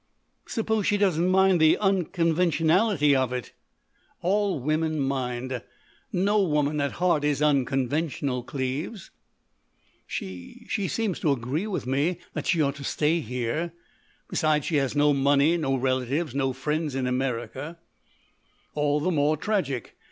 "Suppose she doesn't mind the unconventionality of it?" "All women mind. No woman, at heart, is unconventional, Cleves." "She—she seems to agree with me that she ought to stay here.... Besides, she has no money, no relatives, no friends in America——" "All the more tragic.